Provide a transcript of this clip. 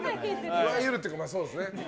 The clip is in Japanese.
いわゆるっていうかそうですね。